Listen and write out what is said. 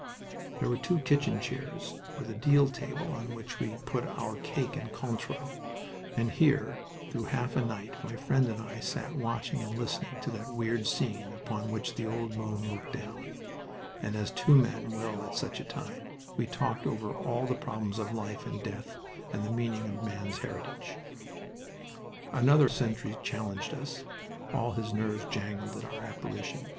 There were two kitchen chairs, with a deal table on which we put our cake and Cointreau, and here, through half a night, my friend and I sat watching and listening to that weird scene upon which the old moon looked down; and, as two men will at such a time, we talked over all the problems of life and death and the meaning of man's heritage. Another sentry challenged us all his nerves jangled at our apparition.